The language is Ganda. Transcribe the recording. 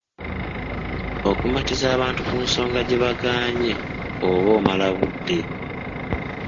Okumatiza abantu ku nsonga gye bagaanye oba omala budde.